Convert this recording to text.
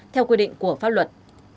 theo quy định của pháp luật